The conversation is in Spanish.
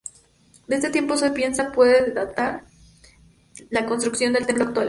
De este tiempo se piensa puede datar la construcción del templo actual.